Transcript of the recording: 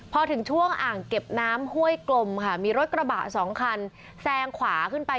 พอถึงช่วงอ่างเก็บน้ำห้วยกลมค่ะมีรถกระบะสองคันแซงขวาขึ้นไป